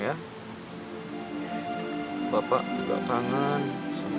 saya ingin ketemu bapak